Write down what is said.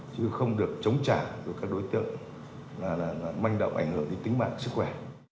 chứ không được chống trả của các đối tượng là manh động ảnh hưởng đến tính mạng sức khỏe